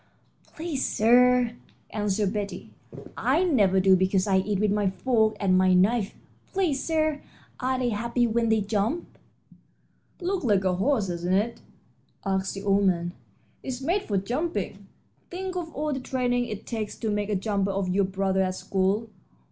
"Please, sir," answered Betty, "I never do, because I eat with my fork and my knife. Please, sir, are they happy when they jump?" "Looks like a horse, doesn't it?" asked the old man. "It's made for jumping. Think of all the training it takes to make a jumper of your brother at school.